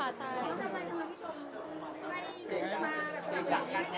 แล้วทำไมคุณผู้ชมไม่รู้มา